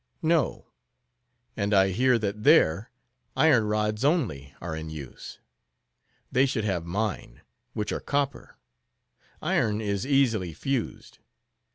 "No. And I hear that there, iron rods only are in use. They should have mine, which are copper. Iron is easily fused.